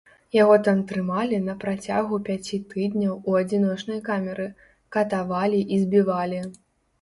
Яго там трымалі на працягу пяці тыдняў у адзіночнай камеры, катавалі і збівалі.